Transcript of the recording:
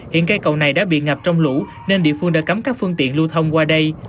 hiện cây cầu này đã bị ngập trong lũ nên địa phương đã cấm các phương tiện lưu thông qua đây